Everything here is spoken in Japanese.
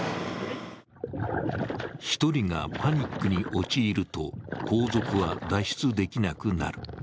１人がパニックに陥ると後続は脱出できなくなる。